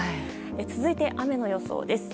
続いて雨の予想です。